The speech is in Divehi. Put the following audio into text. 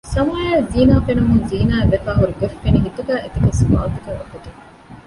ސަމާއަށް ޒިނާފެނުމުން ޒީނާއަށް ވެފައި ހުރިގޮތް ފެނިފައި ހިތުގައި އެތަކެއް ސްވާލުތަކެއް އުފެދުން